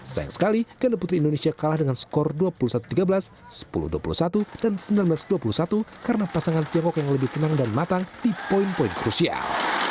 sayang sekali ganda putri indonesia kalah dengan skor dua puluh satu tiga belas sepuluh dua puluh satu dan sembilan belas dua puluh satu karena pasangan tiongkok yang lebih tenang dan matang di poin poin krusial